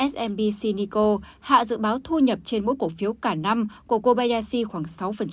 kobayashi nikko hạ dự báo thu nhập trên mỗi cổ phiếu cả năm của kobayashi khoảng sáu